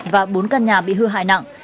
và bốn căn nhà bị hư hại nặng